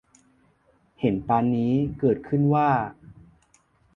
เห็นปานนี้เกิดขึ้นว่า